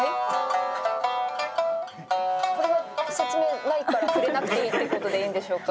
「これは説明ないから触れなくていいって事でいいんでしょうか？」